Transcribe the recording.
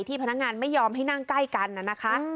พนักงานไม่ยอมให้นั่งใกล้กันนะคะ